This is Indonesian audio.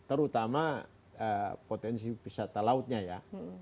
terutama potensi wisata lautnya ya